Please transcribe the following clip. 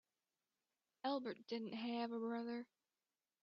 Albert didn't have a brother.